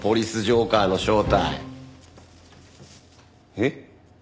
えっ？